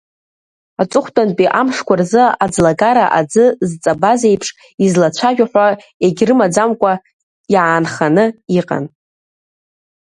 Аҵыхәтәантәи амшқәа рзы аӡлагара аӡы зҵабаз еиԥш излацәажәо ҳәа егь рымаӡамкәа иаанханы иҟан.